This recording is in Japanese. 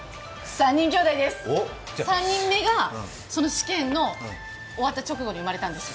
３人きょうだいです、３人目が、その試験の終わった直後に生まれたんですよ。